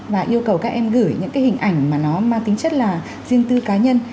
và yêu cầu các em gửi những cái hình ảnh mà nó mang tính chất là riêng tư cá nhân